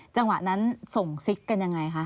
จังหวะนั้นส่งซิกกันยังไงคะ